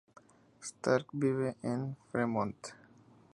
Stark vive en Fremont.